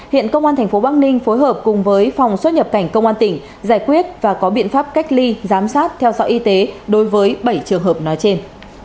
hiện công an tp bắc ninh phối hợp cùng với phòng xuất nhập cảnh công an tỉnh giải quyết và có biện pháp cách ly giám sát theo dõi y tế đối với bảy trường hợp nói trên